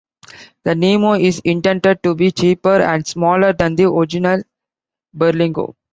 The Nemo is intended to be cheaper and smaller than the original Berlingo.